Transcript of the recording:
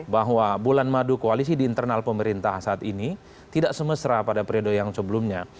bahwa bulan madu koalisi di internal pemerintah saat ini tidak semesra pada periode yang sebelumnya